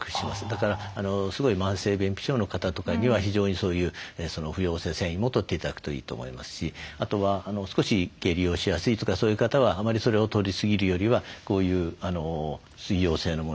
だからすごい慢性便秘症の方とかには非常にそういう不溶性繊維もとって頂くといいと思いますしあとは少し下痢をしやすいとかそういう方はあまりそれをとりすぎるよりはこういう水溶性のものですね。